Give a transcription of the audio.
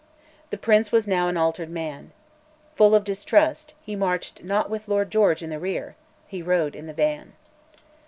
The Prince was now an altered man. Full of distrust, he marched not with Lord George in the rear, he rode in the van.